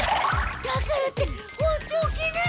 だからって放っておけない！